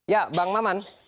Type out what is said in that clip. ya bang maman